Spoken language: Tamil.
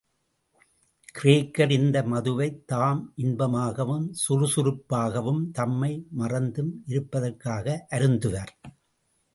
கிரேக்கர் இந்த மதுவைத் தாம் இன்பமாகவும் சுறுசுறுப்பாகவும் தம்மை மறந்தும் இருப்பதற்காக அருந்துவர்.